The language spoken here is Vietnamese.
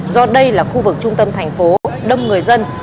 do đây là khu vực trung tâm thành phố đông người dân